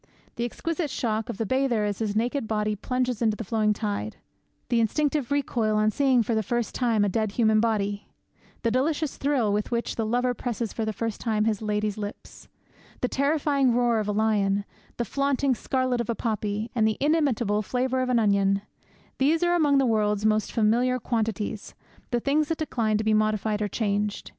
The exquisite shock of the bather as his naked body plunges into the flowing tide; the instinctive recoil on seeing for the first time a dead human body; the delicious thrill with which the lover presses for the first time his lady's lips; the terrifying roar of a lion, the flaunting scarlet of a poppy, and the inimitable flavour of an onion these are among the world's most familiar quantities, the things that decline to be modified or changed.